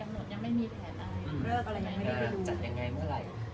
หรืออะไรยังไม่ได้เป็นการคุยอะไรกันเป็นเรื่องราวเลย